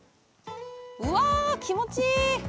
うわ気持ちいい！